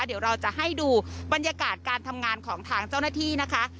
เดี๋ยวเราจะให้ดูบรรยากาศการทำงานของทางเจ้าหน้าที่นะคะ